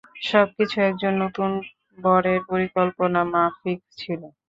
সবকিছু একজন নতুন বরের পরিকল্পনামাফিক ছিল।